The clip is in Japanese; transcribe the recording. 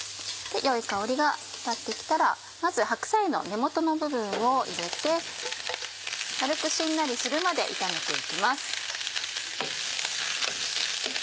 良い香りが立って来たらまず白菜の根元の部分を入れて軽くしんなりするまで炒めて行きます。